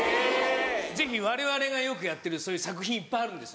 ぜひわれわれがよくやってるそういう作品いっぱいあるんです。